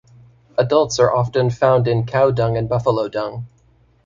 Adults are often found in cow dung and buffalo dung.